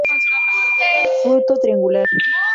Fruto triangular.